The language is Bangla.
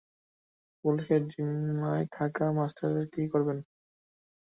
পুলিশের জিম্মায় থাকা মাস্টারের কী করবেন?